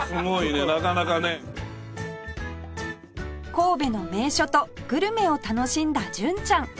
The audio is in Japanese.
神戸の名所とグルメを楽しんだ純ちゃん